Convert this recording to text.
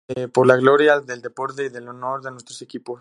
Por la gloria del deporte y el honor de nuestros equipos.